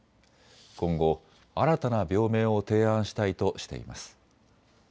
今後、新たな病名を提案したいとしています。